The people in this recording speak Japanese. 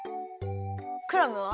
クラムは？